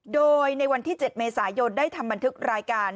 โดยในวันที่๗เมษายนได้ทำบันทึกรายการ